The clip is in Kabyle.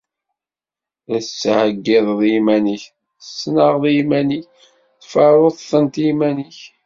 la tettɛeggiḍeḍ iman-ik, tettnaɣeḍ iman-ik, tferruḍ-tent iman-ik.